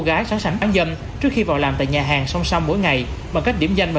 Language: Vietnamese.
gái sáng sảnh ăn dâm trước khi vào làm tại nhà hàng song song mỗi ngày bằng cách điểm danh và